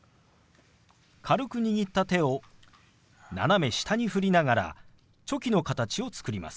軽く握った手を斜め下に振りながらチョキの形を作ります。